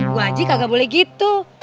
bu aji kagak boleh gitu